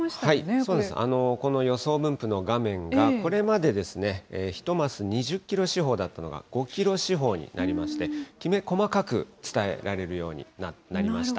そうです、この予想分布の画面がこれまで１マス２０キロ四方だったのが、５キロ四方になりまして、きめ細かく伝えられるようになりました。